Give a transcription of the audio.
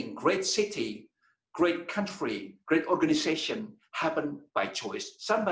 perkara besar kota besar negara besar organisasi besar terjadi dengan pilihan